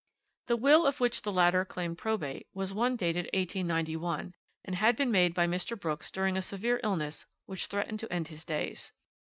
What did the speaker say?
"The will of which the latter claimed probate was one dated 1891, and had been made by Mr. Brooks during a severe illness which threatened to end his days.